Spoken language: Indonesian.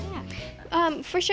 ya tentu saja